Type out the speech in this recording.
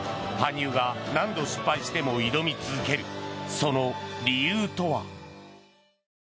羽生が何度失敗しても挑み続けるその理由とは。